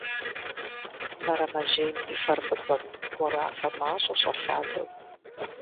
Мэрэмэжьейм и фэр фӀыцӀэт, морафэ мащӀэ щӀэлъадэу.